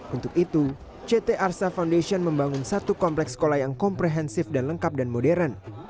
untuk itu ct arsa foundation membangun satu kompleks sekolah yang komprehensif dan lengkap dan modern